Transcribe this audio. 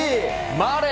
マレー。